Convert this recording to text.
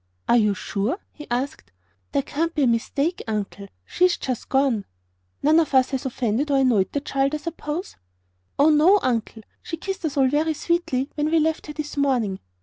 "Are you sure?" he asked. "There can't be a mistake, Uncle. She's just gone." "None of you has offended, or annoyed the child, I suppose?" "Oh, no, Uncle. She kissed us all very sweetly when we left her this morning."